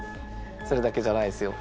それだけじゃないですよ。